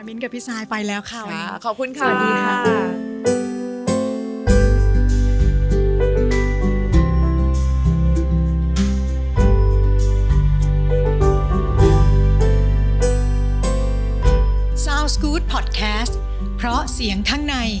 กับพี่ซายไปแล้วค่ะขอบคุณค่ะสวัสดีค่ะ